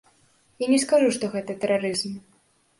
Я не скажу, што гэта тэрарызм.